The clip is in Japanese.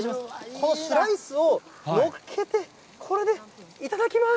このスライスをのっけて、これで、いただきます。